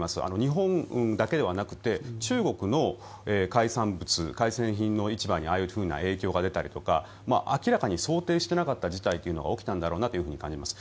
日本だけではなくて中国の海産物海鮮品の市場にああいうふうな影響が出たりとか明らかに想定していなかった事態が起きたんだろうなと感じます。